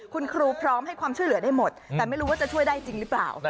คุณครูพร้อมให้ความช่วยเหลือได้หมดแต่ไม่รู้ว่าจะช่วยได้จริงหรือเปล่า